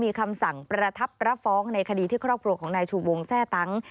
มีคำสั่งประทับรับฟ้องในคดีที่ครอบครัวของนายชูวงแทร่ตั้ง